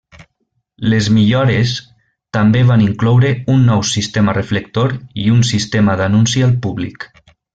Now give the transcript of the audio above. Les millores també van incloure un nou sistema reflector i un sistema d'anunci al públic.